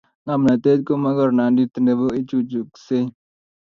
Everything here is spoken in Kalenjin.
ngomnatet ko makornandit Nemo ichuchuksei